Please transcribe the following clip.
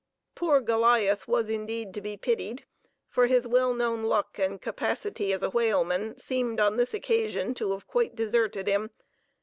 Poor Goliath was indeed to be pitied, for his well known luck and capacity as a whaleman seemed on this occasion to have quite deserted him.